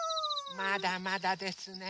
まだまだですね。